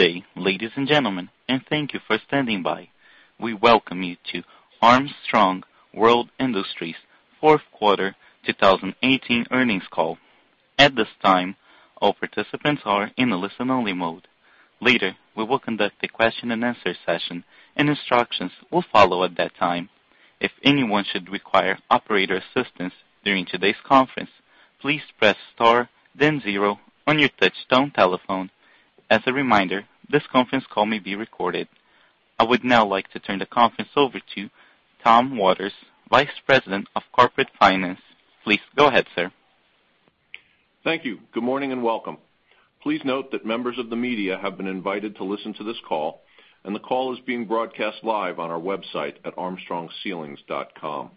Good day, ladies and gentlemen, and thank you for standing by. We welcome you to Armstrong World Industries Fourth Quarter 2018 Earnings Call. At this time, all participants are in a listen only mode. Later, we will conduct a question and answer session, and instructions will follow at that time. If anyone should require operator assistance during today's conference, please press star then zero on your touchtone telephone. As a reminder, this conference call may be recorded. I would now like to turn the conference over to Thomas Waters, Vice President of Corporate Finance. Please go ahead, sir. Thank you. Good morning and welcome. Please note that members of the media have been invited to listen to this call, and the call is being broadcast live on our website at armstrongceilings.com.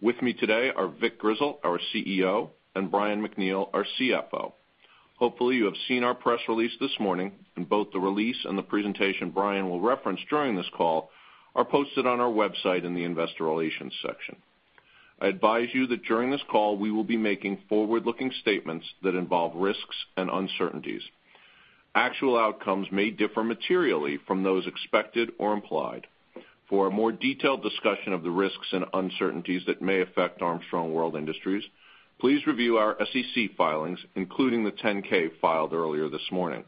With me today are Vic Grizzle, our CEO, and Brian MacNeal, our CFO. Hopefully, you have seen our press release this morning and both the release and the presentation Brian will reference during this call are posted on our website in the investor relations section. I advise you that during this call we will be making forward-looking statements that involve risks and uncertainties. Actual outcomes may differ materially from those expected or implied. For a more detailed discussion of the risks and uncertainties that may affect Armstrong World Industries, please review our SEC filings, including the 10-K filed earlier this morning.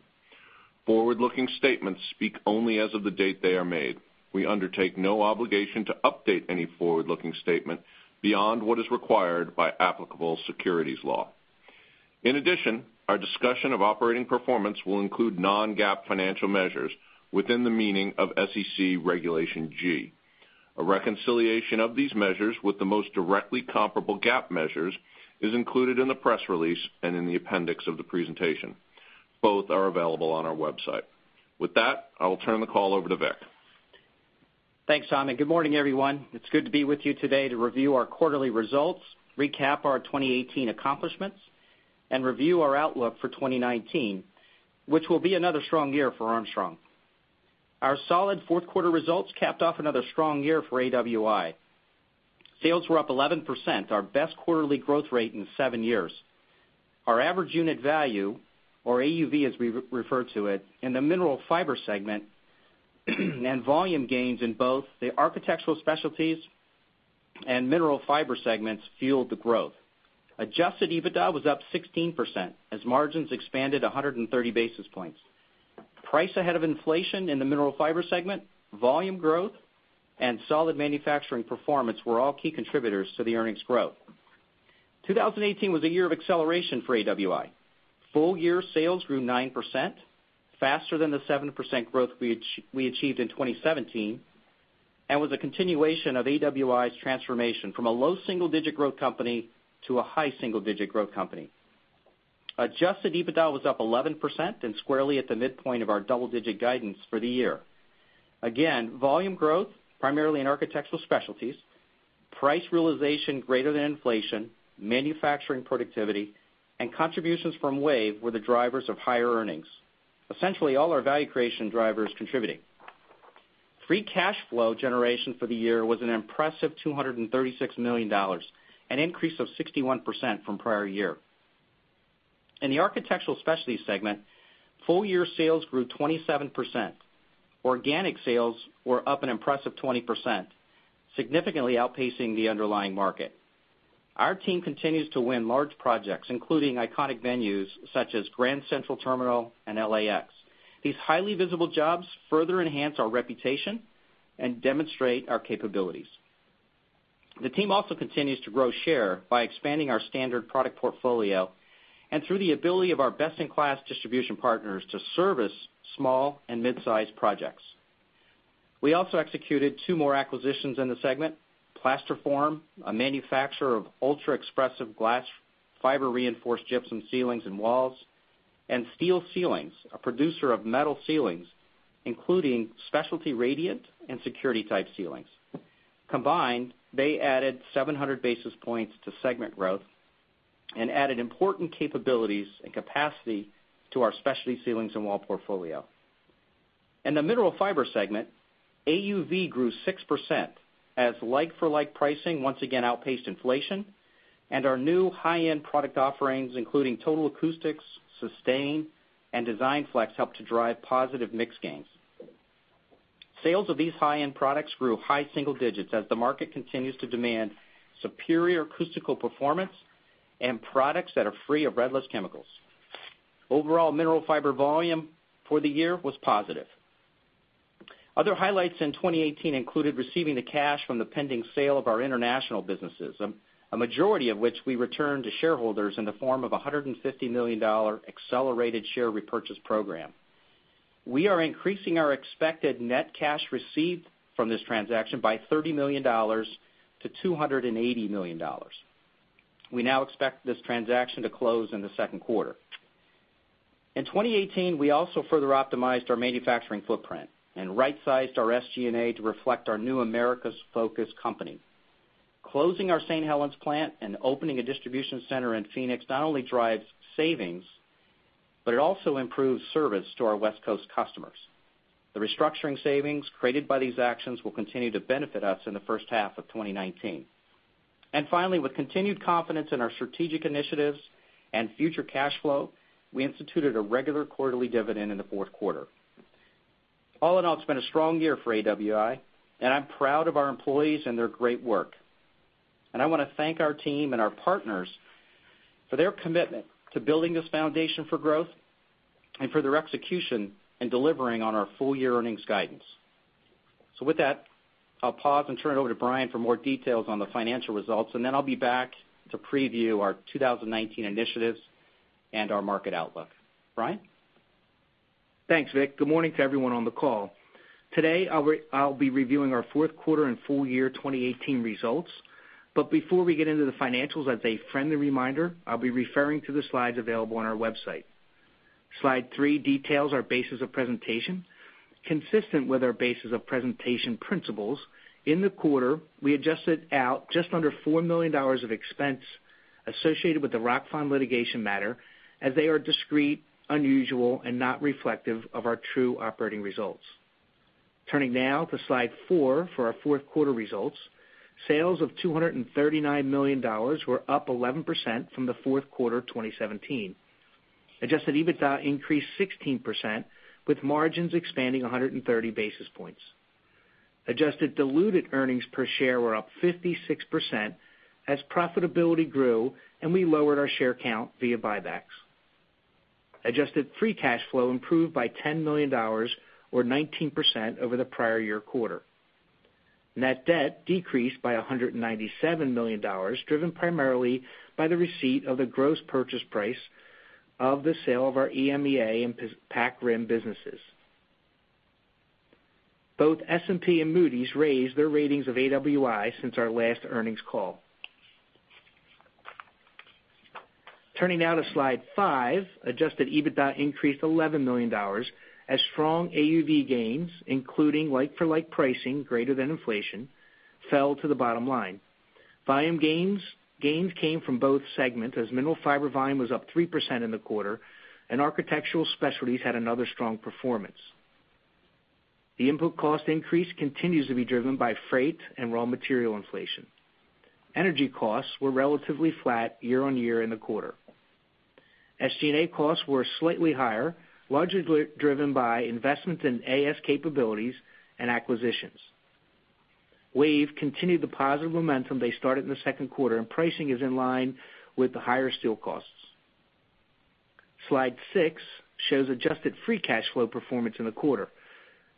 Forward-looking statements speak only as of the date they are made. We undertake no obligation to update any forward-looking statement beyond what is required by applicable securities law. In addition, our discussion of operating performance will include non-GAAP financial measures within the meaning of SEC Regulation G. A reconciliation of these measures with the most directly comparable GAAP measures is included in the press release and in the appendix of the presentation. Both are available on our website. With that, I will turn the call over to Vic. Thanks, Tom, and good morning, everyone. It's good to be with you today to review our quarterly results, recap our 2018 accomplishments, and review our outlook for 2019, which will be another strong year for Armstrong. Our solid Fourth Quarter results capped off another strong year for AWI. Sales were up 11%, our best quarterly growth rate in seven years. Our average unit value, or AUV as we refer to it, in the Mineral Fiber segment and volume gains in both the Architectural Specialties and Mineral Fiber segments fueled the growth. Adjusted EBITDA was up 16% as margins expanded 130 basis points. Price ahead of inflation in the Mineral Fiber segment, volume growth, and solid manufacturing performance were all key contributors to the earnings growth. 2018 was a year of acceleration for AWI. Full-year sales grew 9%, faster than the 7% growth we achieved in 2017, and was a continuation of AWI's transformation from a low single-digit growth company to a high single-digit growth company. Adjusted EBITDA was up 11% and squarely at the midpoint of our double-digit guidance for the year. Volume growth, primarily in Architectural Specialties, price realization greater than inflation, manufacturing productivity, and contributions from WAVE were the drivers of higher earnings, essentially all our value creation drivers contributing. Free cash flow generation for the year was an impressive $236 million, an increase of 61% from prior year. In the Architectural Specialties segment, full-year sales grew 27%. Organic sales were up an impressive 20%, significantly outpacing the underlying market. Our team continues to win large projects, including iconic venues such as Grand Central Terminal and LAX. These highly visible jobs further enhance our reputation and demonstrate our capabilities. The team also continues to grow share by expanding our standard product portfolio and through the ability of our best-in-class distribution partners to service small and mid-size projects. We also executed two more acquisitions in the segment, Plasterform, a manufacturer of ultra-expressive glass fiber reinforced gypsum ceilings and walls, and Steel Ceilings, a producer of metal ceilings, including specialty radiant and security-type ceilings. Combined, they added 700 basis points to segment growth and added important capabilities and capacity to our specialty ceilings and wall portfolio. In the Mineral Fiber segment, AUV grew 6% as like-for-like pricing once again outpaced inflation and our new high-end product offerings, including Total Acoustics, Sustain, and DESIGNFlex, helped to drive positive mix gains. Sales of these high-end products grew high single digits as the market continues to demand superior acoustical performance and products that are free of Red List chemicals. Overall Mineral Fiber volume for the year was positive. Other highlights in 2018 included receiving the cash from the pending sale of our international businesses, a majority of which we returned to shareholders in the form of $150 million accelerated share repurchase program. We are increasing our expected net cash received from this transaction by $30 million to $280 million. We now expect this transaction to close in the second quarter. In 2018, we also further optimized our manufacturing footprint and right-sized our SG&A to reflect our new Americas-focused company. Closing our St. Helens plant and opening a distribution center in Phoenix not only drives savings, but it also improves service to our West Coast customers. The restructuring savings created by these actions will continue to benefit us in the first half of 2019. Finally, with continued confidence in our strategic initiatives and future cash flow, we instituted a regular quarterly dividend in the fourth quarter. All in all, it's been a strong year for AWI, and I'm proud of our employees and their great work. I want to thank our team and our partners for their commitment to building this foundation for growth and for their execution in delivering on our full-year earnings guidance. With that, I'll pause and turn it over to Brian for more details on the financial results, and then I'll be back to preview our 2019 initiatives and our market outlook. Brian? Thanks, Vic. Good morning to everyone on the call. Today, I'll be reviewing our fourth quarter and full year 2018 results. Before we get into the financials, as a friendly reminder, I'll be referring to the slides available on our website. Slide three details our basis of presentation. Consistent with our basis of presentation principles, in the quarter, we adjusted out just under $4 million of expense associated with the Rockfon litigation matter as they are discreet, unusual, and not reflective of our true operating results. Turning now to Slide four for our fourth quarter results. Sales of $239 million were up 11% from the fourth quarter 2017. Adjusted EBITDA increased 16%, with margins expanding 130 basis points. Adjusted diluted earnings per share were up 56% as profitability grew, and we lowered our share count via buybacks. Adjusted free cash flow improved by $10 million, or 19%, over the prior year quarter. Net debt decreased by $197 million, driven primarily by the receipt of the gross purchase price of the sale of our EMEA and Pac Rim businesses. Both S&P and Moody's raised their ratings of AWI since our last earnings call. Turning now to Slide five. Adjusted EBITDA increased $11 million, as strong AUV gains, including like-for-like pricing greater than inflation, fell to the bottom line. Volume gains came from both segments, as Mineral Fiber volume was up 3% in the quarter, and Architectural Specialties had another strong performance. The input cost increase continues to be driven by freight and raw material inflation. Energy costs were relatively flat year-over-year in the quarter. SG&A costs were slightly higher, largely driven by investments in AS capabilities and acquisitions. WAVE continued the positive momentum they started in the second quarter. Pricing is in line with the higher steel costs. Slide six shows adjusted free cash flow performance in the quarter.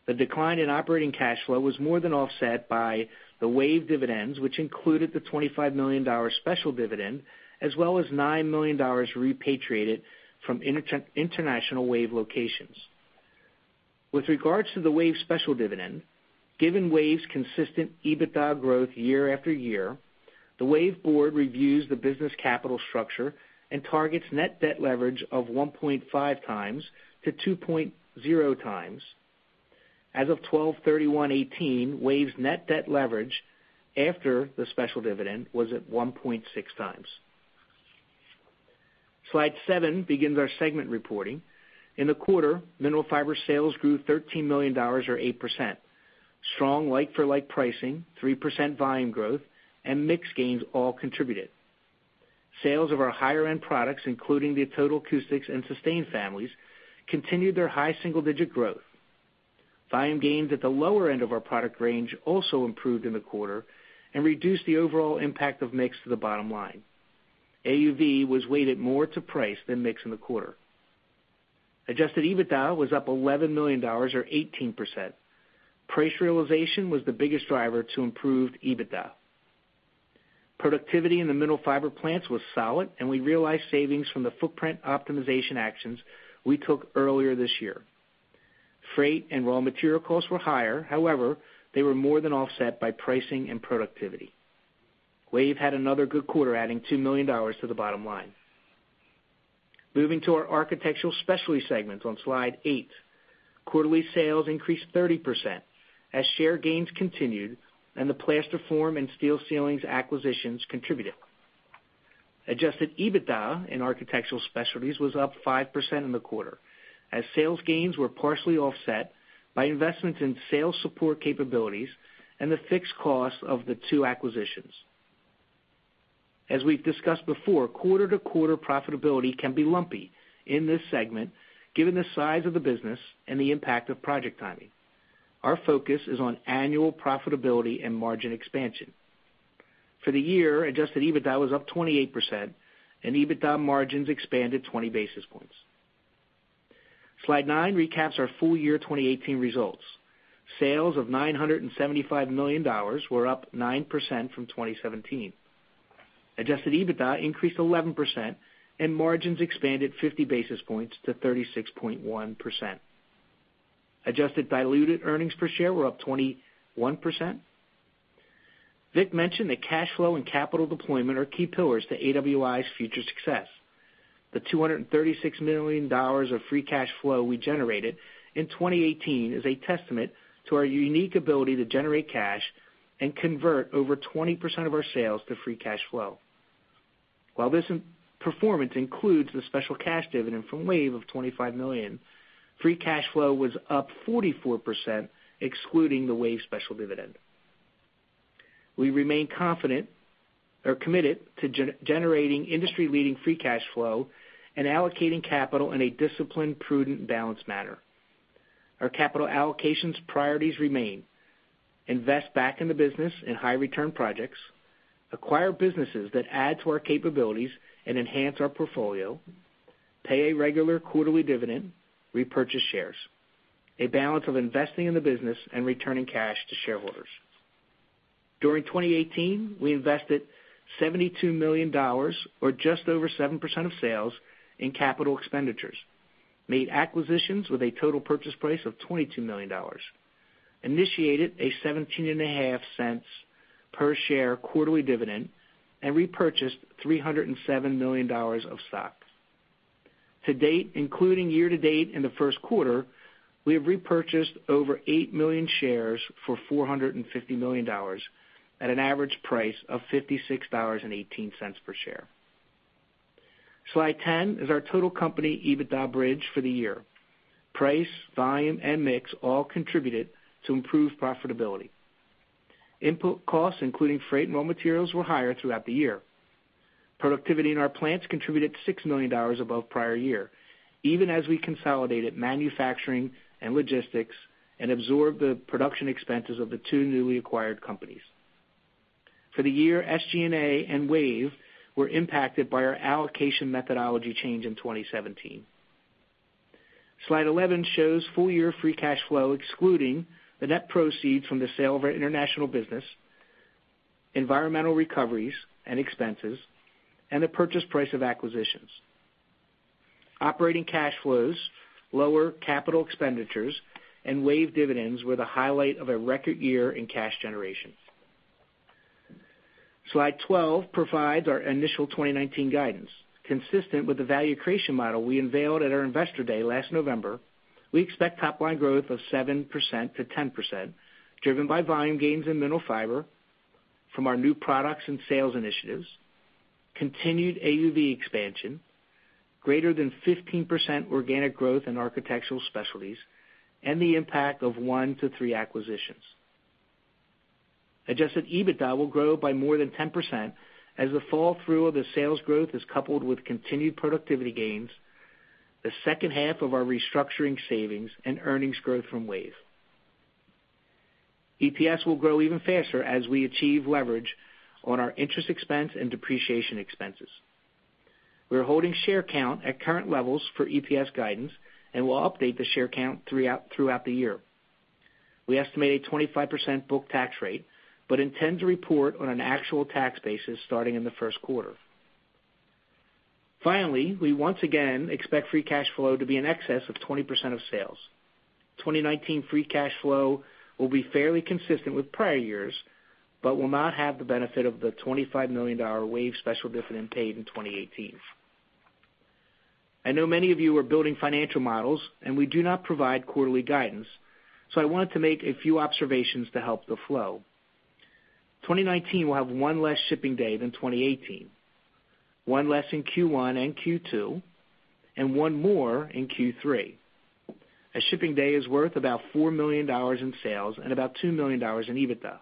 The decline in operating cash flow was more than offset by the WAVE dividends, which included the $25 million special dividend, as well as $9 million repatriated from international WAVE locations. With regards to the WAVE special dividend, given WAVE's consistent EBITDA growth year after year, the WAVE board reviews the business capital structure and targets net debt leverage of 1.5x-2.0x. As of 12/31/2018, WAVE's net debt leverage after the special dividend was at 1.6x. Slide seven begins our segment reporting. In the quarter, Mineral Fiber sales grew $13 million, or 8%. Strong like-for-like pricing, 3% volume growth, and mix gains all contributed. Sales of our higher-end products, including the Total Acoustics and Sustain families, continued their high single-digit growth. Volume gains at the lower end of our product range also improved in the quarter and reduced the overall impact of mix to the bottom line. AUV was weighted more to price than mix in the quarter. Adjusted EBITDA was up $11 million, or 18%. Price realization was the biggest driver to improved EBITDA. Productivity in the Mineral Fiber plants was solid. We realized savings from the footprint optimization actions we took earlier this year. Freight and raw material costs were higher. However, they were more than offset by pricing and productivity. WAVE had another good quarter, adding $2 million to the bottom line. Moving to our Architectural Specialties segments on Slide eight. Quarterly sales increased 30%, as share gains continued and the Plasterform and Steel Ceilings acquisitions contributed. Adjusted EBITDA in Architectural Specialties was up 5% in the quarter, as sales gains were partially offset by investments in sales support capabilities and the fixed costs of the two acquisitions. As we've discussed before, quarter-to-quarter profitability can be lumpy in this segment, given the size of the business and the impact of project timing. Our focus is on annual profitability and margin expansion. For the year, adjusted EBITDA was up 28%, and EBITDA margins expanded 20 basis points. Slide nine recaps our full year 2018 results. Sales of $975 million were up 9% from 2017. Adjusted EBITDA increased 11%, and margins expanded 50 basis points to 36.1%. Adjusted diluted earnings per share were up 21%. Vic mentioned that cash flow and capital deployment are key pillars to AWI's future success. The $236 million of free cash flow we generated in 2018 is a testament to our unique ability to generate cash and convert over 20% of our sales to free cash flow. While this performance includes the special cash dividend from WAVE of $25 million, free cash flow was up 44%, excluding the WAVE special dividend. We remain committed to generating industry-leading free cash flow and allocating capital in a disciplined, prudent, balanced manner. Our capital allocations priorities remain: invest back in the business in high return projects, acquire businesses that add to our capabilities and enhance our portfolio, pay a regular quarterly dividend, repurchase shares, a balance of investing in the business and returning cash to shareholders. During 2018, we invested $72 million, or just over 7% of sales in capital expenditures, made acquisitions with a total purchase price of $22 million, initiated a $0.175 per share quarterly dividend, and repurchased $307 million of stock. To date, including year to date in the first quarter, we have repurchased over eight million shares for $450 million at an average price of $56.18 per share. Slide 10 is our total company EBITDA bridge for the year. Price, volume, and mix all contributed to improved profitability. Input costs, including freight and raw materials, were higher throughout the year. Productivity in our plants contributed $6 million above prior year, even as we consolidated manufacturing and logistics and absorbed the production expenses of the two newly acquired companies. For the year, SG&A and WAVE were impacted by our allocation methodology change in 2017. Slide 11 shows full year free cash flow excluding the net proceeds from the sale of our international business, environmental recoveries and expenses, and the purchase price of acquisitions. Operating cash flows, lower capital expenditures, and WAVE dividends were the highlight of a record year in cash generation. Slide 12 provides our initial 2019 guidance. Consistent with the value creation model we unveiled at our Investor Day last November, we expect top-line growth of 7%-10%, driven by volume gains in Mineral Fiber from our new products and sales initiatives, continued AUV expansion, greater than 15% organic growth in Architectural Specialties, and the impact of one to three acquisitions. Adjusted EBITDA will grow by more than 10% as the fall through of the sales growth is coupled with continued productivity gains, the second half of our restructuring savings, and earnings growth from WAVE. EPS will grow even faster as we achieve leverage on our interest expense and depreciation expenses. We are holding share count at current levels for EPS guidance and will update the share count throughout the year. We estimate a 25% book tax rate but intend to report on an actual tax basis starting in the first quarter. Finally, we once again expect free cash flow to be in excess of 20% of sales. 2019 free cash flow will be fairly consistent with prior years, but will not have the benefit of the $25 million WAVE special dividend paid in 2018. I know many of you are building financial models, and we do not provide quarterly guidance, so I wanted to make a few observations to help the flow. 2019 will have one less shipping day than 2018, one less in Q1 and Q2, and one more in Q3. A shipping day is worth about $4 million in sales and about $2 million in EBITDA.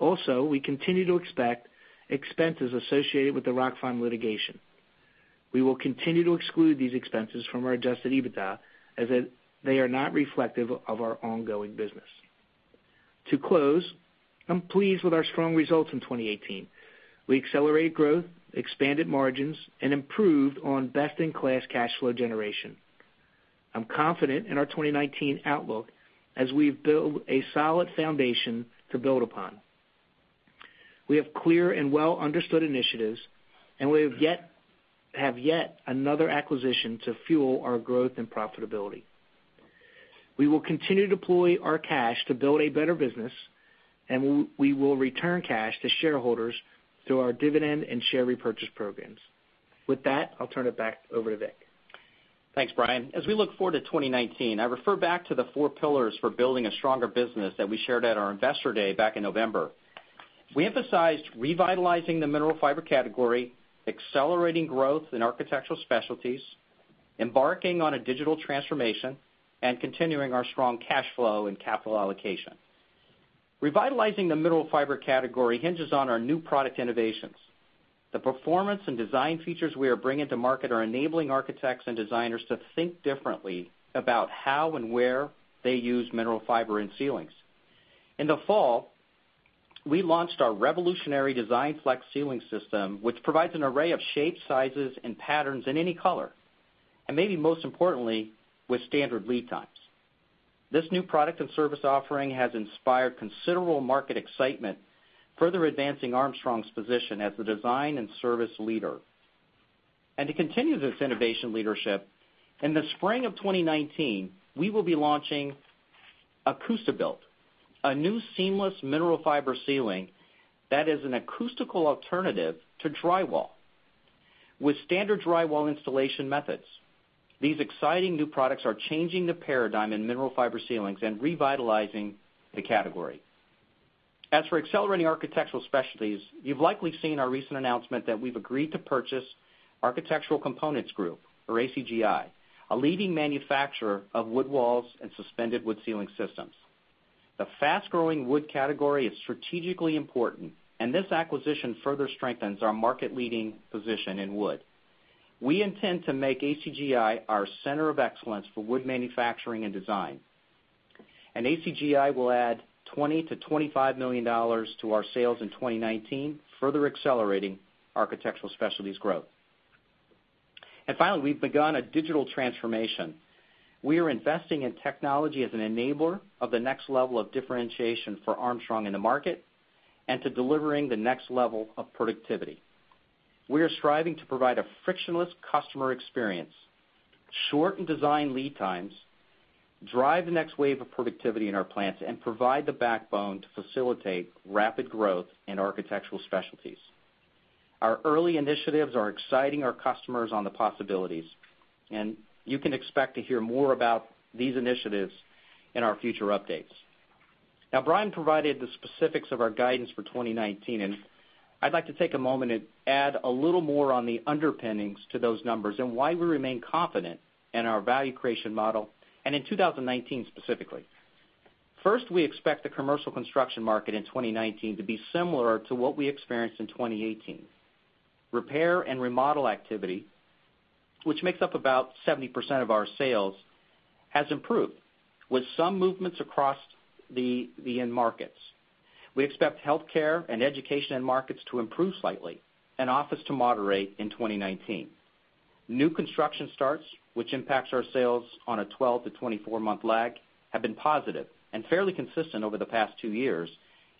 Also, we continue to expect expenses associated with the Rockfon litigation. We will continue to exclude these expenses from our adjusted EBITDA as they are not reflective of our ongoing business. To close, I'm pleased with our strong results in 2018. We accelerated growth, expanded margins, and improved on best-in-class cash flow generation. I'm confident in our 2019 outlook as we've built a solid foundation to build upon. We have clear and well-understood initiatives, and we have yet another acquisition to fuel our growth and profitability. We will continue to deploy our cash to build a better business, and we will return cash to shareholders through our dividend and share repurchase programs. With that, I'll turn it back over to Vic. Thanks, Brian. As we look forward to 2019, I refer back to the four pillars for building a stronger business that we shared at our Investor Day back in November. We emphasized revitalizing the Mineral Fiber category, accelerating growth in Architectural Specialties, embarking on a digital transformation, and continuing our strong cash flow and capital allocation. Revitalizing the Mineral Fiber category hinges on our new product innovations. The performance and design features we are bringing to market are enabling architects and designers to think differently about how and where they use Mineral Fiber in ceilings. In the fall, we launched our revolutionary DESIGNFlex ceiling system, which provides an array of shapes, sizes, and patterns in any color, and maybe most importantly, with standard lead times. This new product and service offering has inspired considerable market excitement, further advancing Armstrong's position as the design and service leader. To continue this innovation leadership, in the spring of 2019, we will be launching ACOUSTIBUILT, a new seamless Mineral Fiber ceiling that is an acoustical alternative to drywall. With standard drywall installation methods, these exciting new products are changing the paradigm in Mineral Fiber ceilings and revitalizing the category. As for accelerating Architectural Specialties, you've likely seen our recent announcement that we've agreed to purchase Architectural Components Group, or ACGI, a leading manufacturer of wood walls and suspended wood ceiling systems. The fast-growing wood category is strategically important, and this acquisition further strengthens our market-leading position in wood. We intend to make ACGI our center of excellence for wood manufacturing and design. ACGI will add $20 million-$25 million to our sales in 2019, further accelerating Architectural Specialties growth. Finally, we've begun a digital transformation. We are investing in technology as an enabler of the next level of differentiation for Armstrong in the market, and to delivering the next level of productivity. We are striving to provide a frictionless customer experience, shorten design lead times, drive the next wave of productivity in our plants, and provide the backbone to facilitate rapid growth in Architectural Specialties. Our early initiatives are exciting our customers on the possibilities, and you can expect to hear more about these initiatives in our future updates. Brian provided the specifics of our guidance for 2019, and I'd like to take a moment and add a little more on the underpinnings to those numbers and why we remain confident in our value creation model and in 2019 specifically. We expect the commercial construction market in 2019 to be similar to what we experienced in 2018. Repair and remodel activity, which makes up about 70% of our sales, has improved, with some movements across the end markets. We expect healthcare and education end markets to improve slightly, and office to moderate in 2019. New construction starts, which impacts our sales on a 12- to 24-month lag, have been positive and fairly consistent over the past two years,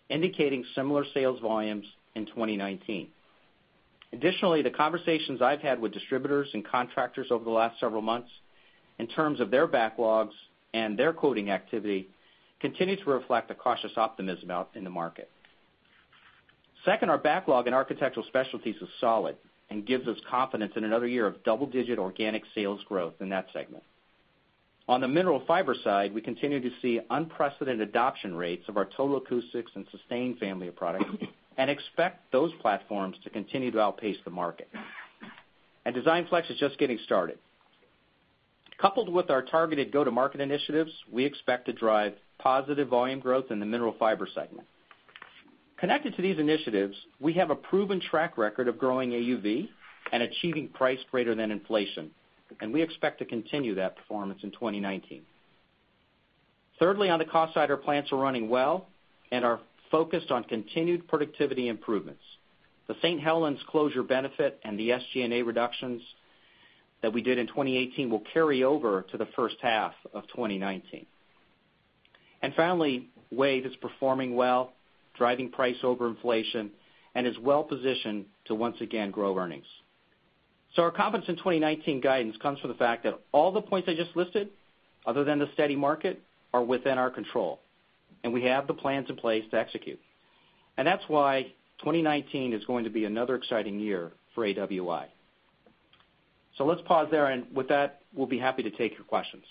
indicating similar sales volumes in 2019. The conversations I've had with distributors and contractors over the last several months, in terms of their backlogs and their quoting activity, continue to reflect a cautious optimism out in the market. Our backlog in Architectural Specialties is solid and gives us confidence in another year of double-digit organic sales growth in that segment. On the Mineral Fiber side, we continue to see unprecedented adoption rates of our Total Acoustics and Sustain family of products and expect those platforms to continue to outpace the market. DESIGNFlex is just getting started. Coupled with our targeted go-to-market initiatives, we expect to drive positive volume growth in the Mineral Fiber segment. Connected to these initiatives, we have a proven track record of growing AUV and achieving price greater than inflation, and we expect to continue that performance in 2019. On the cost side, our plants are running well and are focused on continued productivity improvements. The St. Helens closure benefit and the SG&A reductions that we did in 2018 will carry over to the first half of 2019. WAVE is performing well, driving price over inflation, and is well-positioned to once again grow earnings. Our confidence in 2019 guidance comes from the fact that all the points I just listed, other than the steady market, are within our control, and we have the plans in place to execute. That's why 2019 is going to be another exciting year for AWI. Let's pause there, and with that, we'll be happy to take your questions.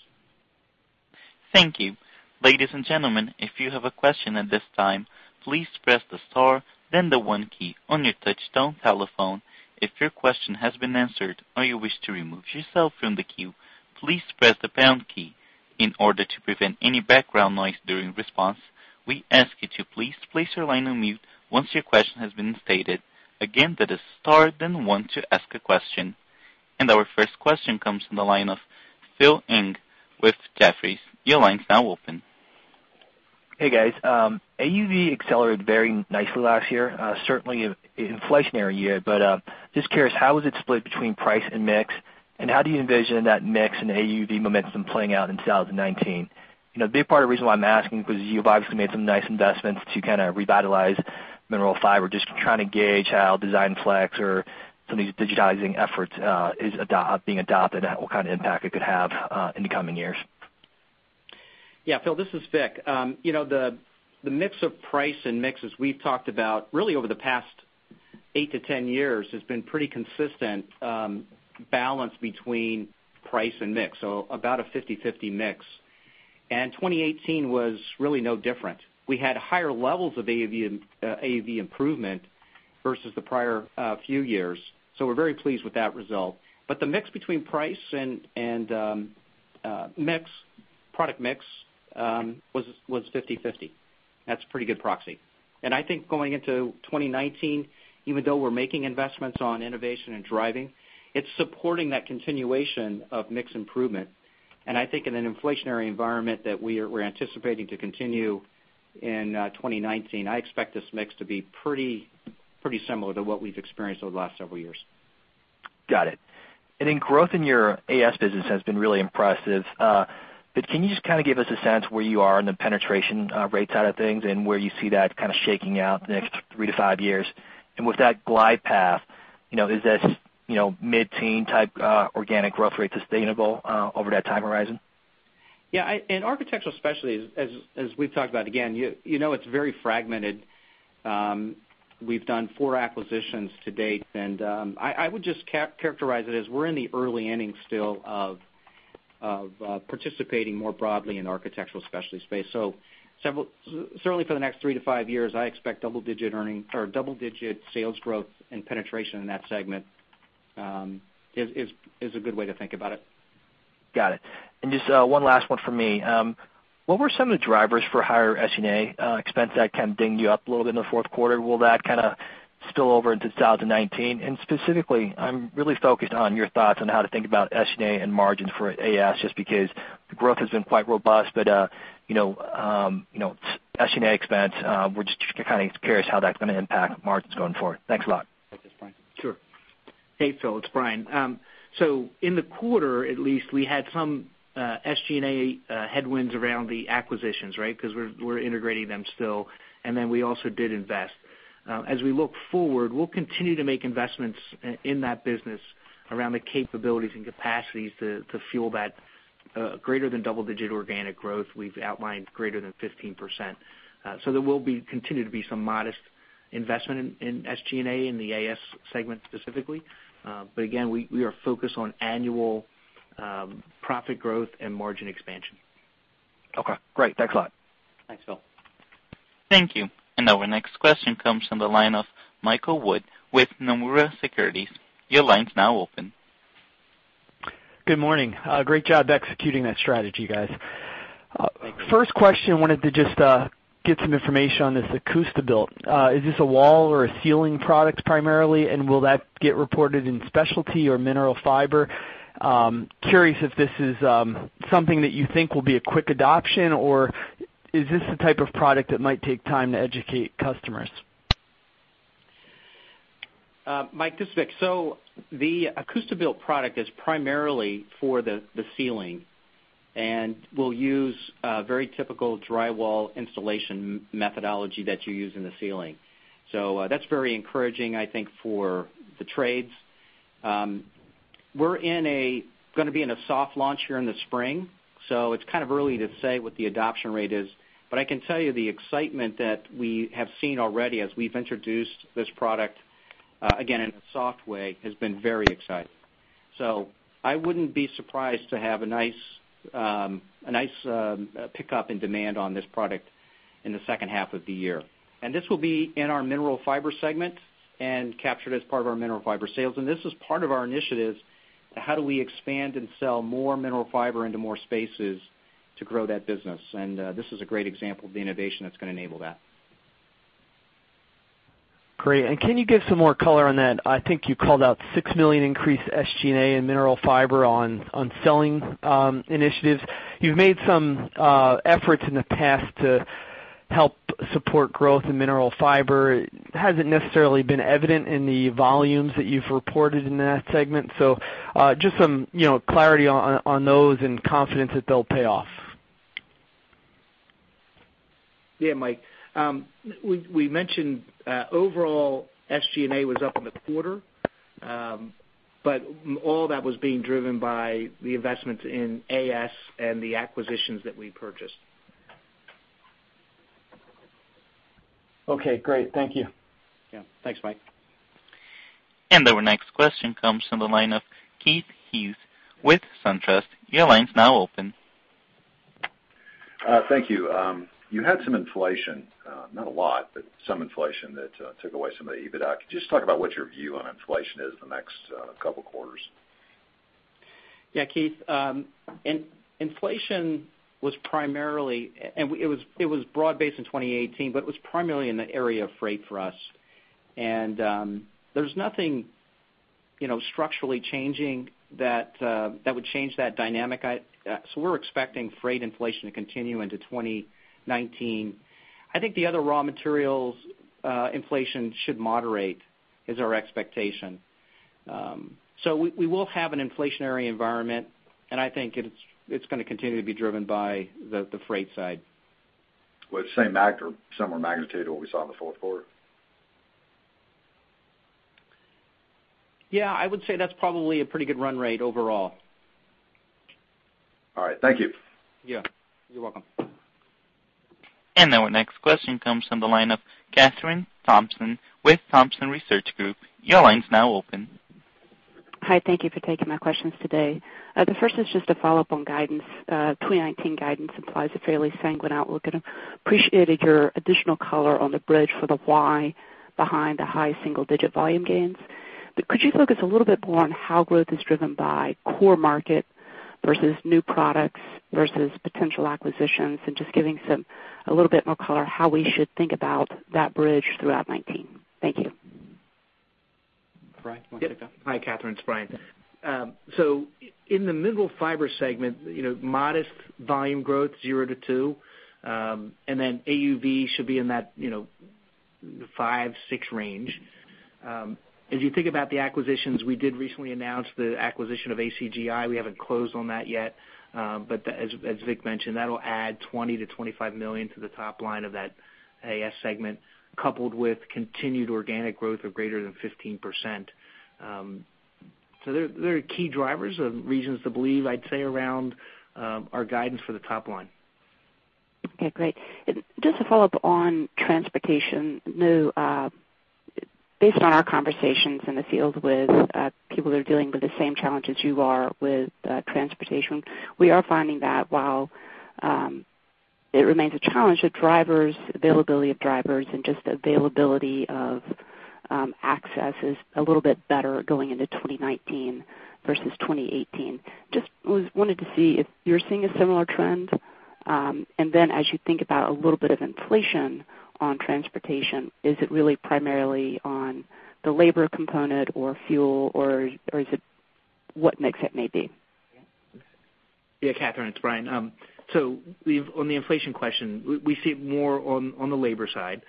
Thank you. Ladies and gentlemen, if you have a question at this time, please press the star, then the one key on your touchtone telephone. If your question has been answered or you wish to remove yourself from the queue, please press the pound key. In order to prevent any background noise during response, we ask you to please place your line on mute once your question has been stated. Again, that is star, then one to ask a question. Our first question comes from the line of Philip Ng with Jefferies. Your line's now open. Hey, guys. AUV accelerated very nicely last year, certainly an inflationary year. Just curious, how was it split between price and mix, how do you envision that mix and AUV momentum playing out in 2019? A big part of the reason why I'm asking because you've obviously made some nice investments to kind of revitalize Mineral Fiber, just trying to gauge how DESIGNFlex or some of these digitizing efforts is being adopted and what kind of impact it could have in the coming years. Yeah, Phil, this is Vic. The mix of price and mix, as we've talked about really over the past eight to 10 years, has been pretty consistent balance between price and mix, about a 50/50 mix. 2018 was really no different. We had higher levels of AUV improvement versus the prior few years, we're very pleased with that result. The mix between price and product mix was 50/50. That's a pretty good proxy. I think going into 2019, even though we're making investments on innovation and driving, it's supporting that continuation of mix improvement. I think in an inflationary environment that we're anticipating to continue in 2019, I expect this mix to be pretty similar to what we've experienced over the last several years. Got it. Then growth in your AS business has been really impressive. Can you just kind of give us a sense where you are in the penetration rate side of things and where you see that kind of shaking out in the next three to five years? With that glide path, is this mid-teen type organic growth rate sustainable over that time horizon? Yeah. In Architectural Specialties, as we've talked about, again, you know it's very fragmented. We've done 4 acquisitions to date, and I would just characterize it as we're in the early innings still of participating more broadly in Architectural Specialties space. Certainly for the next 3 to 5 years, I expect double-digit sales growth and penetration in that segment. Is a good way to think about it. Got it. Just one last one from me. What were some of the drivers for higher SG&A expense that kind of dinged you up a little bit in the fourth quarter? Will that kind of spill over into 2019? Specifically, I'm really focused on your thoughts on how to think about SG&A and margins for AS, just because the growth has been quite robust. SG&A expense, we're just kind of curious how that's going to impact margins going forward. Thanks a lot. Okay. Thanks. Sure. Hey, Phil, it's Brian. In the quarter, at least, we had some SG&A headwinds around the acquisitions, right? Because we're integrating them still, we also did invest. As we look forward, we'll continue to make investments in that business around the capabilities and capacities to fuel that greater than double-digit organic growth we've outlined, greater than 15%. There will continue to be some modest investment in SG&A, in the AS segment specifically. Again, we are focused on annual profit growth and margin expansion. Okay, great. Thanks a lot. Thanks, Phil. Thank you. Our next question comes from the line of Michael Wood with Nomura Securities. Your line's now open. Good morning. Great job executing that strategy, guys. Thank you. First question, wanted to just get some information on this ACOUSTIBUILT. Is this a wall or a ceiling product primarily, and will that get reported in Architectural Specialties or Mineral Fiber? Curious if this is something that you think will be a quick adoption, or is this the type of product that might take time to educate customers? Mike, this is Vic. The ACOUSTIBUILT product is primarily for the ceiling and will use a very typical drywall installation methodology that you use in the ceiling. That's very encouraging, I think, for the trades. We're going to be in a soft launch here in the spring, so it's kind of early to say what the adoption rate is, but I can tell you the excitement that we have seen already as we've introduced this product, again, in a soft way, has been very exciting. I wouldn't be surprised to have a nice pick-up in demand on this product in the second half of the year. This will be in our Mineral Fiber segment and captured as part of our Mineral Fiber sales. This is part of our initiatives, how do we expand and sell more Mineral Fiber into more spaces to grow that business? This is a great example of the innovation that's going to enable that. Great. Can you give some more color on that? I think you called out $6 million increase SG&A in Mineral Fiber on selling initiatives. You've made some efforts in the past to help support growth in Mineral Fiber. It hasn't necessarily been evident in the volumes that you've reported in that segment. Just some clarity on those and confidence that they'll pay off. Yeah, Mike. We mentioned overall SG&A was up in the quarter, all that was being driven by the investments in AS and the acquisitions that we purchased. Okay, great. Thank you. Yeah. Thanks, Mike. Our next question comes from the line of Keith Hughes with SunTrust. Your line's now open. Thank you. You had some inflation, not a lot, but some inflation that took away some of the EBITDA. Could you just talk about what your view on inflation is the next couple quarters? Yeah, Keith. Inflation was broad-based in 2018, but it was primarily in the area of freight for us. There's nothing structurally changing that would change that dynamic. We're expecting freight inflation to continue into 2019. I think the other raw materials inflation should moderate, is our expectation. We will have an inflationary environment, and I think it's going to continue to be driven by the freight side. With same magnitude, similar magnitude to what we saw in the fourth quarter? Yeah, I would say that's probably a pretty good run rate overall. All right. Thank you. Yeah. You're welcome. Our next question comes from the line of Kathryn Thompson with Thompson Research Group. Your line's now open. Hi. Thank you for taking my questions today. The first is just a follow-up on guidance. 2019 guidance implies a fairly sanguine outlook, appreciated your additional color on the bridge for the why behind the high single-digit volume gains. Could you focus a little bit more on how growth is driven by core market versus new products versus potential acquisitions and just giving a little bit more color how we should think about that bridge throughout 2019? Thank you. Brian, you want to take that? Hi, Kathryn, it's Brian. In the Mineral Fiber segment, modest volume growth, 0-2, then AUV should be in that 5-6 range. If you think about the acquisitions, we did recently announce the acquisition of ACGI. We haven't closed on that yet. As Vic mentioned, that will add $20 million-$25 million to the top line of that AS segment, coupled with continued organic growth of greater than 15%. There are key drivers of reasons to believe, I'd say, around our guidance for the top line. Okay, great. Just to follow up on transportation. Based on our conversations in the field with people who are dealing with the same challenges you are with transportation, we are finding that while it remains a challenge, the availability of drivers and just availability of access is a little bit better going into 2019 versus 2018. Just wanted to see if you're seeing a similar trend. As you think about a little bit of inflation on transportation, is it really primarily on the labor component or fuel? Or what mix it may be? Yeah, Kathryn, it's Brian. On the inflation question, we see it more on the labor side.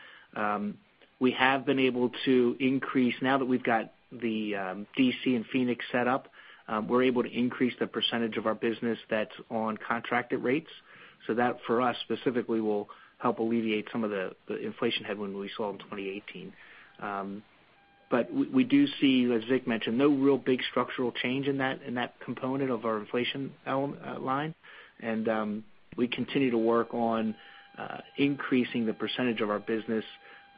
We have been able to increase, now that we've got the DC and Phoenix set up, we're able to increase the percentage of our business that's on contracted rates. That for us specifically will help alleviate some of the inflation headwind we saw in 2018. We do see, as Vic mentioned, no real big structural change in that component of our inflation line. We continue to work on increasing the percentage of our business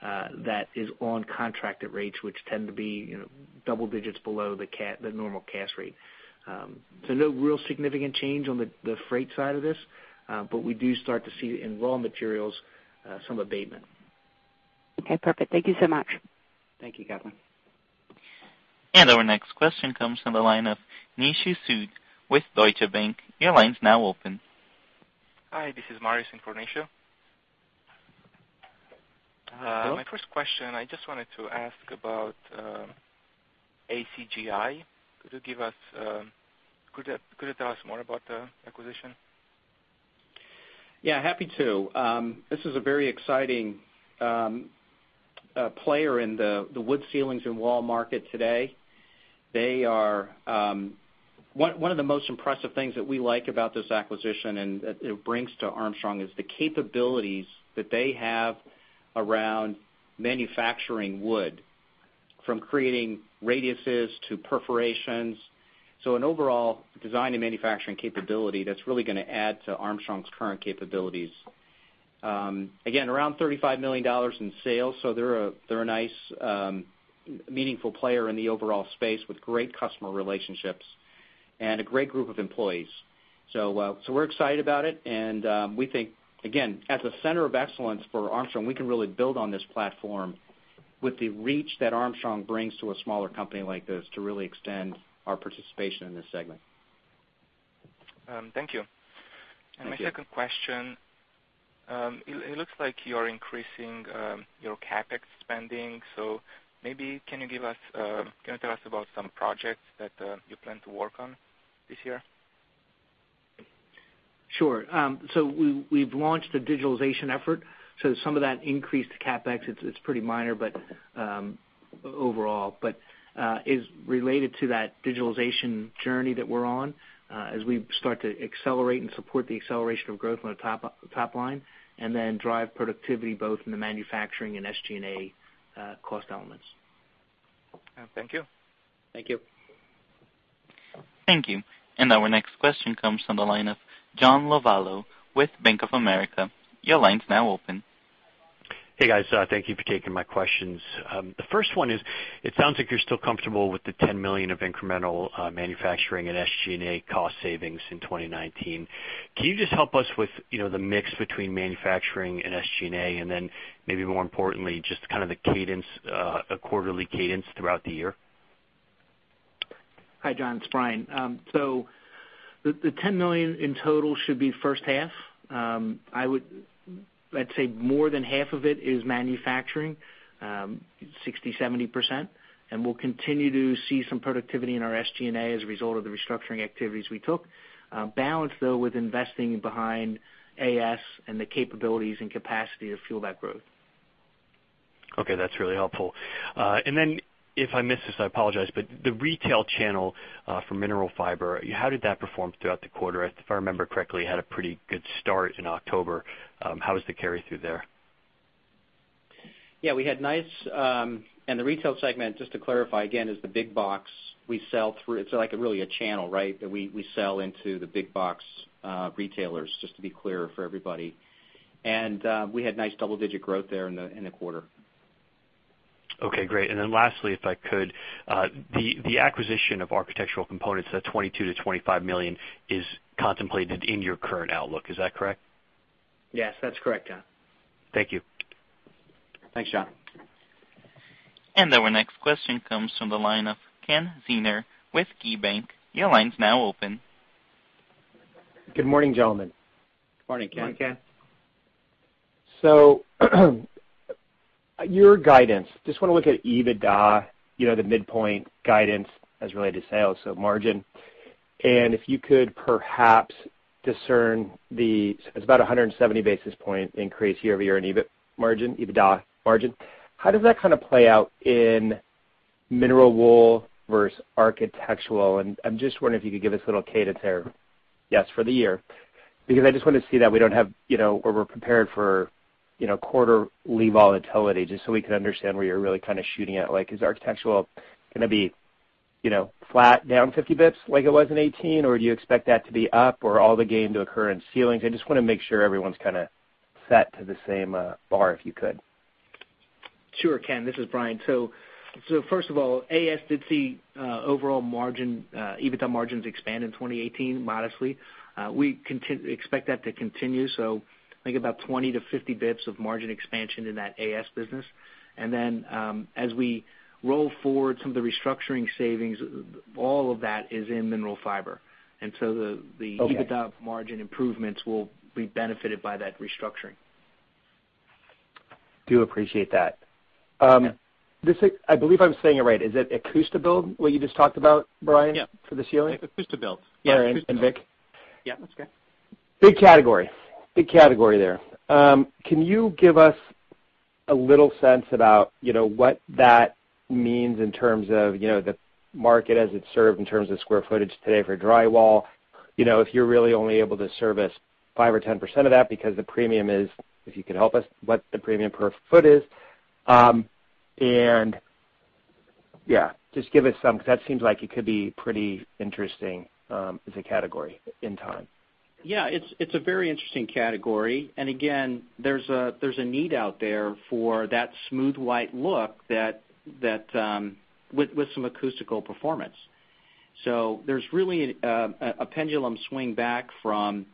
that is on contracted rates, which tend to be double digits below the normal cash rate. No real significant change on the freight side of this. We do start to see in raw materials some abatement. Okay, perfect. Thank you so much. Thank you, Catherine. Our next question comes from the line of Nishu Sood with Deutsche Bank. Your line's now open. Hi, this is Marius Incornacio. My first question, I just wanted to ask about ACGI. Could you tell us more about the acquisition? Yeah, happy to. This is a very exciting player in the wood ceilings and wall market today. One of the most impressive things that we like about this acquisition and that it brings to Armstrong is the capabilities that they have around manufacturing wood, from creating radiuses to perforations. An overall design and manufacturing capability that's really going to add to Armstrong's current capabilities. Again, around $35 million in sales, so they're a nice, meaningful player in the overall space with great customer relationships and a great group of employees. We're excited about it, and we think, again, as a center of excellence for Armstrong, we can really build on this platform with the reach that Armstrong brings to a smaller company like this to really extend our participation in this segment. Thank you. Thank you. My second question, it looks like you're increasing your CapEx spending, maybe can you tell us about some projects that you plan to work on this year? Sure. We've launched a digitalization effort. Some of that increased CapEx, it's pretty minor overall, but is related to that digitalization journey that we're on as we start to accelerate and support the acceleration of growth on the top line and then drive productivity both in the manufacturing and SG&A cost elements. Thank you. Thank you. Thank you. Our next question comes from the line of John Lovallo with Bank of America. Your line's now open. Hey, guys. Thank you for taking my questions. The first one is, it sounds like you're still comfortable with the $10 million of incremental manufacturing and SG&A cost savings in 2019. Can you just help us with the mix between manufacturing and SG&A, and then maybe more importantly, just kind of the quarterly cadence throughout the year? Hi, John, it's Brian. The $10 million in total should be first half. I'd say more than half of it is manufacturing, 60%, 70%. We'll continue to see some productivity in our SG&A as a result of the restructuring activities we took. Balance, though, with investing behind AS and the capabilities and capacity to fuel that growth. Okay, that's really helpful. If I missed this, I apologize, but the retail channel for Mineral Fiber, how did that perform throughout the quarter? If I remember correctly, it had a pretty good start in October. How was the carry-through there? The retail segment, just to clarify again, is the big box. It's like really a channel, right? That we sell into the big box retailers, just to be clear for everybody. We had nice double-digit growth there in the quarter. Okay, great. Lastly, if I could, the acquisition of Architectural Components at $22 million-$25 million is contemplated in your current outlook. Is that correct? Yes, that's correct, John. Thank you. Thanks, John. Our next question comes from the line of Ken Zener with KeyBanc. Your line's now open. Good morning, gentlemen. Morning, Ken. Morning, Ken. Your guidance, just want to look at EBITDA, the midpoint guidance as related to sales, margin. If you could perhaps discern the it's about 170 basis points increase year-over-year in EBIT margin, EBITDA margin. How does that kind of play out in Mineral Fiber versus Architectural Specialties? I'm just wondering if you could give us a little cadence there. Yes, for the year. I just want to see that we don't have where we're prepared for quarterly volatility, just so we can understand where you're really shooting at. Is Architectural Specialties going to be flat down 50 basis points like it was in 2018? Do you expect that to be up or all the gain to occur in ceilings? I just want to make sure everyone's set to the same bar, if you could. Sure, Ken, this is Brian. First of all, AS did see overall margin, EBITDA margins expand in 2018 modestly. We expect that to continue. Think about 20-50 basis points of margin expansion in that AS business. As we roll forward some of the restructuring savings, all of that is in Mineral Fiber. Okay EBITDA margin improvements will be benefited by that restructuring. Do appreciate that. Yeah. I believe I'm saying it right. Is it ACOUSTIBUILT, what you just talked about, Brian? Yeah. For the ceiling. ACOUSTIBUILT. All right, Vic? Yeah, that's okay. Big category. Big category there. Can you give us a little sense about what that means in terms of the market as it's served in terms of square footage today for drywall? If you're really only able to service 5% or 10% of that because the premium is, if you could help us, what the premium per foot is. Yeah, just give us some, because that seems like it could be pretty interesting, as a category in time. It's a very interesting category. Again, there's a need out there for that smooth white look with some acoustical performance. There's really a pendulum swing back from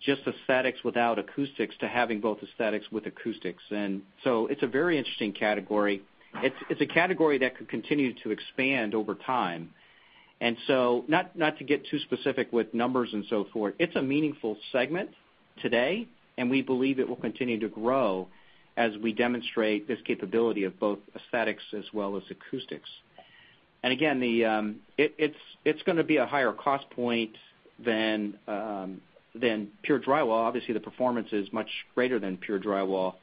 just aesthetics without acoustics to having both aesthetics with acoustics. It's a very interesting category. It's a category that could continue to expand over time. Not to get too specific with numbers and so forth, it's a meaningful segment today, and we believe it will continue to grow as we demonstrate this capability of both aesthetics as well as acoustics. Again, it's going to be a higher cost point than pure drywall. Obviously, the performance is much greater than pure drywall,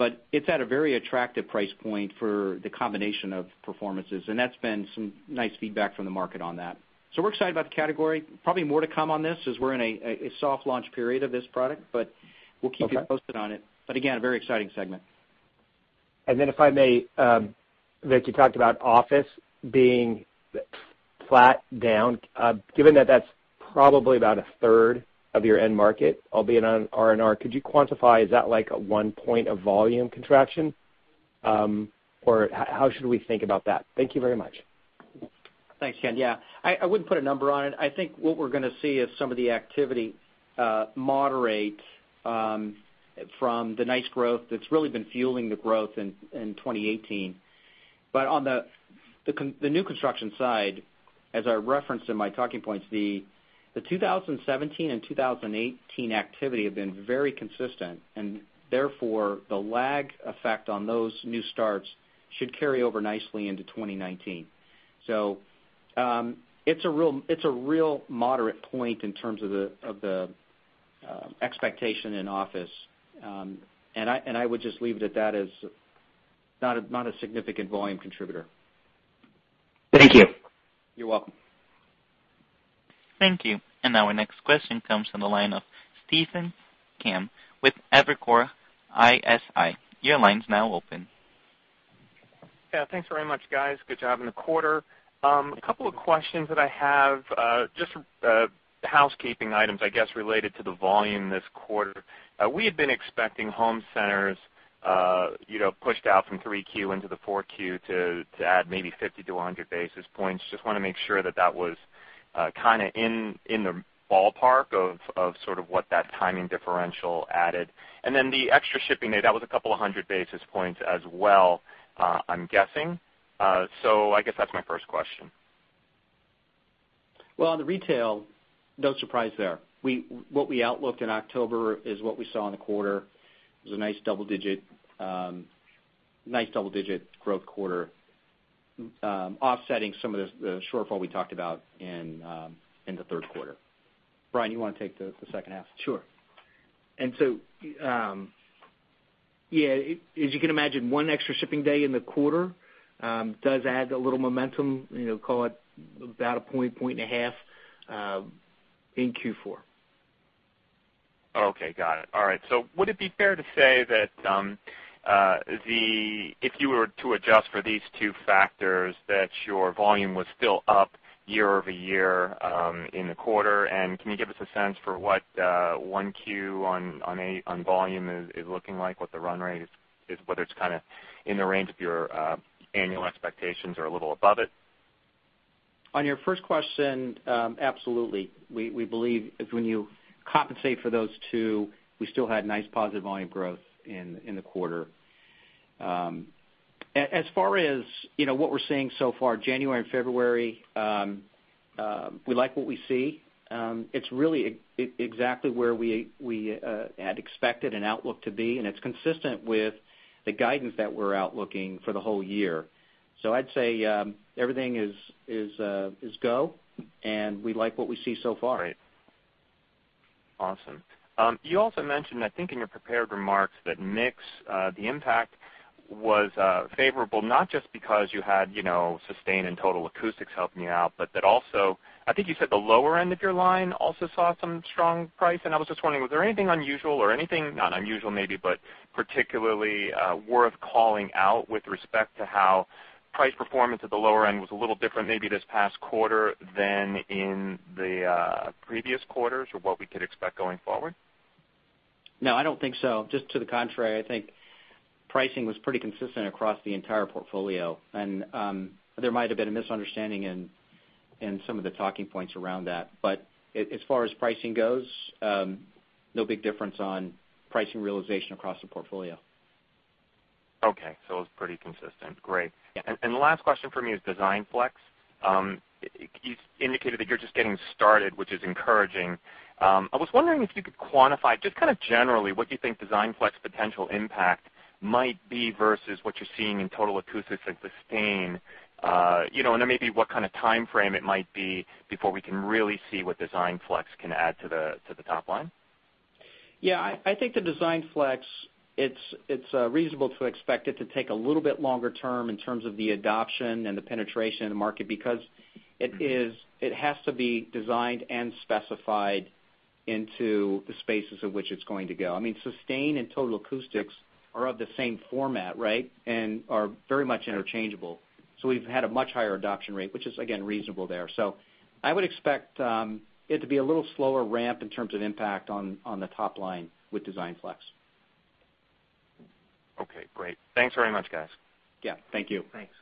but it's at a very attractive price point for the combination of performances, and that's been some nice feedback from the market on that. We're excited about the category. Probably more to come on this as we're in a soft launch period of this product, we'll keep you posted on it. Again, a very exciting segment. If I may, Vic, you talked about office being flat down. Given that that's probably about a third of your end market, albeit on R&R, could you quantify, is that like a one point of volume contraction? Or how should we think about that? Thank you very much. Thanks, Ken. Yeah, I wouldn't put a number on it. I think what we're going to see is some of the activity moderate from the nice growth that's really been fueling the growth in 2018. On the new construction side, as I referenced in my talking points, the 2017 and 2018 activity have been very consistent, and therefore, the lag effect on those new starts should carry over nicely into 2019. It's a real moderate point in terms of the expectation in office. I would just leave it at that as not a significant volume contributor. Thank you. You're welcome. Thank you. Our next question comes from the line of Stephen Kim with Evercore ISI. Your line's now open. Yeah. Thanks very much, guys. Good job in the quarter. A couple of questions that I have, just housekeeping items, I guess, related to the volume this quarter. We had been expecting home centers pushed out from 3Q into the 4Q to add maybe 50 to 100 basis points. Just want to make sure that that was in the ballpark of sort of what that timing differential added. The extra shipping day, that was a couple of hundred basis points as well, I'm guessing. I guess that's my first question. Well, on the retail, no surprise there. What we outlooked in October is what we saw in the quarter. It was a nice double-digit growth quarter, offsetting some of the shortfall we talked about in the third quarter. Brian, you want to take the second half? Sure. yeah, as you can imagine, one extra shipping day in the quarter, does add a little momentum, call it about a point and a half, in Q4. Okay, got it. All right. Would it be fair to say that, if you were to adjust for these two factors, that your volume was still up year-over-year, in the quarter? Can you give us a sense for what 1Q on volume is looking like, what the run rate is, whether it's kind of in the range of your annual expectations or a little above it? On your first question, absolutely. We believe if when you compensate for those two, we still had nice positive volume growth in the quarter. As far as what we're seeing so far, January and February, we like what we see. It's really exactly where we had expected an outlook to be, and it's consistent with the guidance that we're outlooking for the whole year. I'd say, everything is go, and we like what we see so far. Great. Awesome. You also mentioned, I think in your prepared remarks, that mix, the impact was favorable, not just because you had Sustain and Total Acoustics helping you out, but that also, I think you said the lower end of your line also saw some strong price. I was just wondering, was there anything unusual or anything, not unusual maybe, but particularly worth calling out with respect to how price performance at the lower end was a little different maybe this past quarter than in the previous quarters, or what we could expect going forward? No, I don't think so. Just to the contrary, I think pricing was pretty consistent across the entire portfolio. There might have been a misunderstanding in some of the talking points around that. As far as pricing goes, no big difference on pricing realization across the portfolio. Okay, it was pretty consistent. Great. Yeah. The last question from me is DESIGNFLEX. You've indicated that you're just getting started, which is encouraging. I was wondering if you could quantify, just kind of generally, what you think DESIGNFLEX potential impact might be versus what you're seeing in Total Acoustics and Sustain. Then maybe what kind of timeframe it might be before we can really see what DESIGNFLEX can add to the top line. Yeah. I think the DESIGNFLEX, it's reasonable to expect it to take a little bit longer term in terms of the adoption and the penetration in the market, because it has to be designed and specified into the spaces of which it's going to go. Sustain and Total Acoustics are of the same format, right? Are very much interchangeable. We've had a much higher adoption rate, which is, again, reasonable there. I would expect it to be a little slower ramp in terms of impact on the top line with DESIGNFLEX. Okay, great. Thanks very much, guys. Yeah. Thank you. Thanks.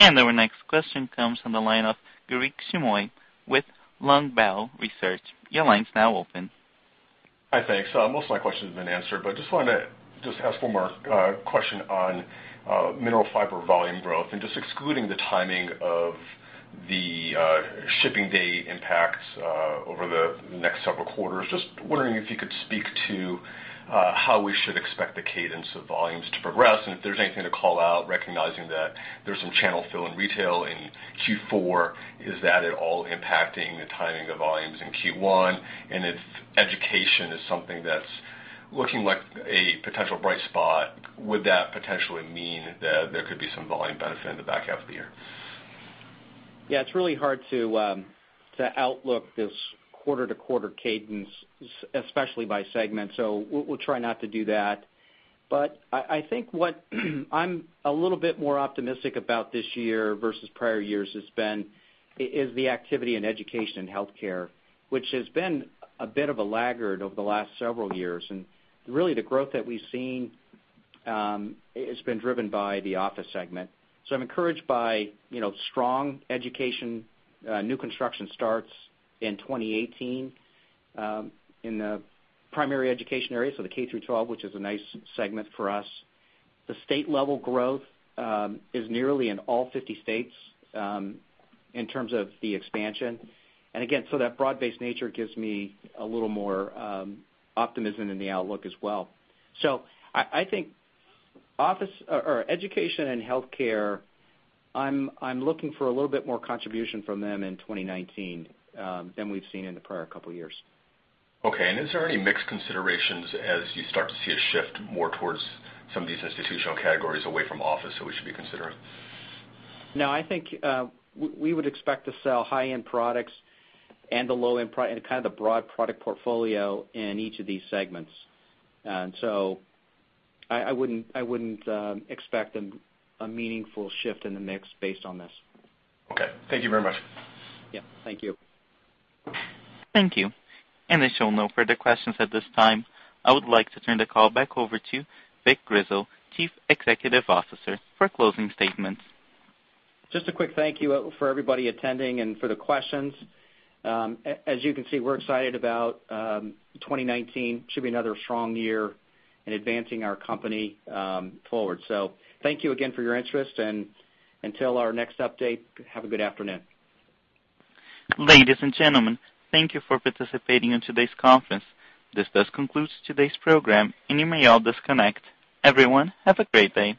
Our next question comes from the line of Garik Shmois with Longbow Research. Your line's now open. Hi, thanks. Most of my questions have been answered, wanted to ask one more question on Mineral Fiber volume growth. Excluding the timing of the shipping day impacts over the next several quarters, wondering if you could speak to how we should expect the cadence of volumes to progress. If there's anything to call out, recognizing that there's some channel fill in retail in Q4, is that at all impacting the timing of volumes in Q1? If education is something that's looking like a potential bright spot, would that potentially mean that there could be some volume benefit in the back half of the year? Yeah, it's really hard to outlook this quarter-to-quarter cadence, especially by segment, so we'll try not to do that. I think what I'm a little bit more optimistic about this year versus prior years is the activity in education and healthcare, which has been a bit of a laggard over the last several years. Really the growth that we've seen has been driven by the office segment. I'm encouraged by strong education, new construction starts in 2018, in the primary education area, so the K through 12, which is a nice segment for us. The state level growth is nearly in all 50 states in terms of the expansion. Again, that broad-based nature gives me a little more optimism in the outlook as well. I think education and healthcare, I'm looking for a little bit more contribution from them in 2019 than we've seen in the prior couple of years. Okay. Is there any mix considerations as you start to see a shift more towards some of these institutional categories away from office that we should be considering? I think we would expect to sell high-end products and the low-end product, and kind of the broad product portfolio in each of these segments. I wouldn't expect a meaningful shift in the mix based on this. Thank you very much. Thank you. Thank you. As you'll know further questions at this time, I would like to turn the call back over to Vic Grizzle, Chief Executive Officer, for closing statements. Just a quick thank you for everybody attending and for the questions. As you can see, we're excited about 2019. Should be another strong year in advancing our company forward. Thank you again for your interest, and until our next update, have a good afternoon. Ladies and gentlemen, thank you for participating in today's conference. This does conclude today's program and you may all disconnect. Everyone, have a great day.